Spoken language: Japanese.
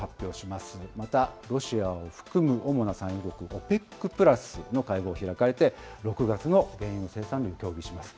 また、ロシアを含む主な産油国のＯＰＥＣプラスの会合が開かれて、６月の原油の生産量を協議します。